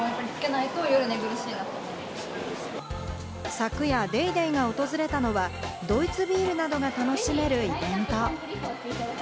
昨夜『ＤａｙＤａｙ．』が訪れたのは、ドイツビールなどが楽しめるイベント。